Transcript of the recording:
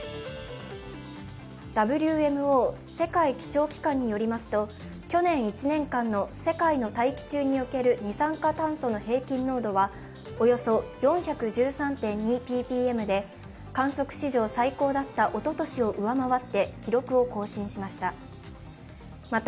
ＷＭＯ＝世界気象機関によりますと、去年１年間の世界の大気中における二酸化炭素の平均濃度はおよそ４１３．２ｐｐｍで観測史上最高だったおととしを上回って記録を更新しました。